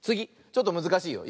ちょっとむずかしいよ。